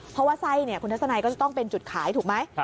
เพราะว่าไส้คุณทัศนัยก็จะต้องเป็นจุดขายถูกไหม